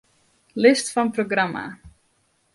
List fan programma.